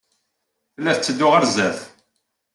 Tella tetteddu ɣer sdat.